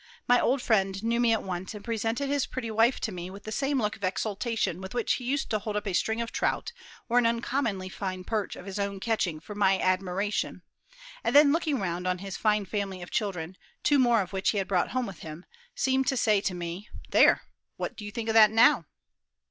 My old friend knew me at once, and presented his pretty wife to me with the same look of exultation with which he used to hold up a string of trout or an uncommonly fine perch of his own catching for my admiration, and then looking round on his fine family of children, two more of which he had brought home with him, seemed to say to me, "There! what do you think of that, now?"